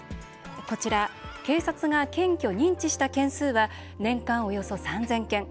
こちら、警察が検挙、認知した件数は年間およそ３０００件。